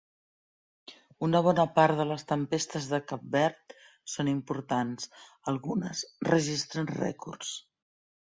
Una bona part de les tempestes de Cap Verd són importants, algunes registren rècords.